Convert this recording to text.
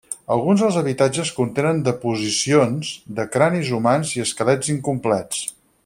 Alguns dels habitatges contenen deposicions de cranis humans i esquelets incomplets.